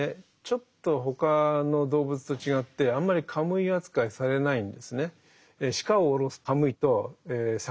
ちょっと他の動物と違ってあんまりカムイ扱いされないんですね。